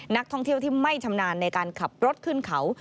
นักท่องเที่ยวที่ไม่ชำนาญในการขับรถขึ้นเขา